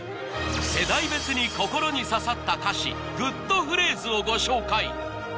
世代別に心に刺さった歌詞グッとフレーズをご紹介